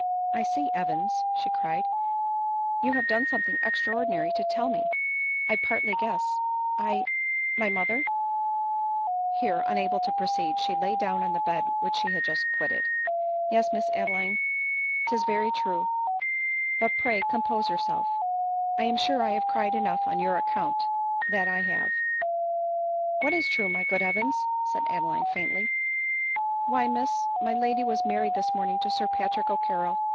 " I see, Evans," she cried, " you have something extra ordinary to tell me ; I partly guess ; I — my mother * Here, unable to proceed, she lay down on the bed which she had just quitted. " Yes, Miss Adeline— 'tis very true ; but pray com 6 »<■■»>' 58 ADELINE MOWBRAY. pose yourself. I am sure I have cried enough on your account, that I have." " What is true, ray good Evans ?" said Adeline faintly. " Why, Miss, my lady was married this morning to Sir Patrick O'Carrol !